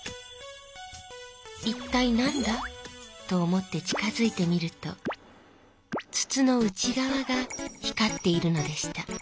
いったいなんだと思って近づいてみると筒の内がわが光っているのでした。